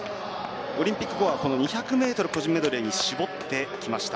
オリンピック後は２００ｍ個人メドレーに絞ってきました。